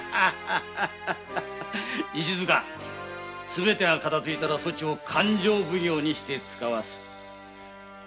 石塚すべてが片づいたらそちを勘定奉行にしてつかわす。